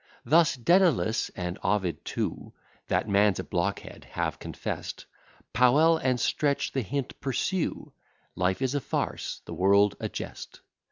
Thus Dædalus and Ovid too, That man's a blockhead, have confest: Powel and Stretch the hint pursue; Life is a farce, the world a jest.